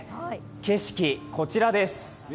景色、こちらです。